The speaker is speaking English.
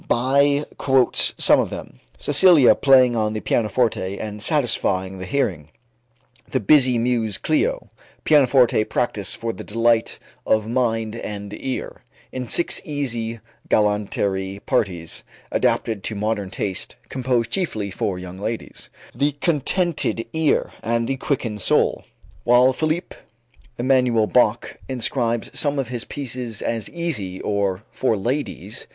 Bie quotes some of them: "Cecilia Playing on the Pianoforte and Satisfying the Hearing"; "The Busy Muse Clio"; "Pianoforte Practice for the Delight of Mind and Ear, in Six Easy Galanterie Parties Adapted to Modern Taste, Composed Chiefly for Young Ladies"; "The Contented Ear and the Quickened Soul"; while Philipp Emanuel Bach inscribes some of his pieces as "easy" or "for ladies."